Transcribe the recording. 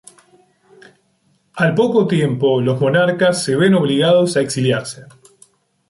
Al poco tiempo los monarcas se ven obligados a exiliarse.